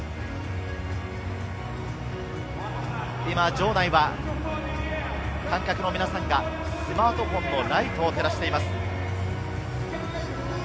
場内は観客の皆さんがスマートフォンのライトを照らしています。